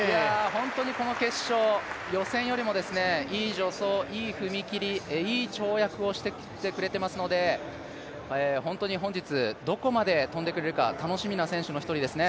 本当にこの決勝、予選よりも、いい助走いい踏み切り、いい跳躍をしてきてくれてますので本当に本日どこまで跳んでくれるか楽しみな選手の一人ですね。